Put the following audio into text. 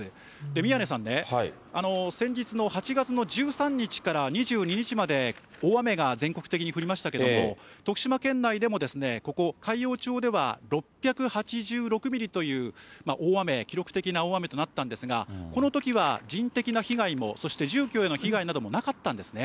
宮根さんね、先日の８月の１３日から２２日まで、大雨が全国的に降りましたけれども、徳島県内でも、ここ海陽町では６８６ミリという大雨、記録的な大雨となったんですが、このときは人的な被害も、そして住居への被害などもなかったんですね。